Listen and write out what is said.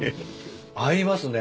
合いますね。